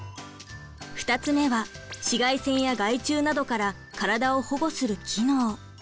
２つめは紫外線や害虫などから体を保護する機能。